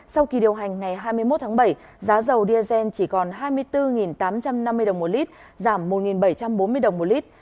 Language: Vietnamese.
sau kỳ điều hành ngày hai mươi một tháng bảy giá dầu diesel chỉ còn hai mươi bốn tám trăm năm mươi đồng một lít giảm một bảy trăm bốn mươi đồng một lít